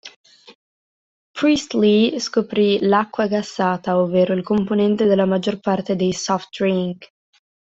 Priestley scoprì l'acqua gassata, ovvero il componente della maggior parte dei "soft drink".